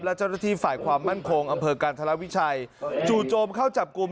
และเจ้าหน้าที่ฝ่ายความมั่นคงอำเภอกันธรวิชัยจู่โจมเข้าจับกลุ่ม